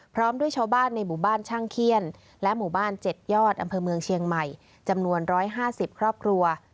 พร้อมด้วยชาวบ้านในหมู่บ้านช่างเขี้ยนและหมู่บ้าน๗ยอดอำเภอเมืองเชียงใหม่จำนวน๑๕๐ครอบครัว